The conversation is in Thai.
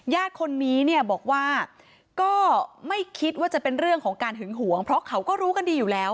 ญาติคนนี้เนี่ยบอกว่าก็ไม่คิดว่าจะเป็นเรื่องของการหึงหวงเพราะเขาก็รู้กันดีอยู่แล้ว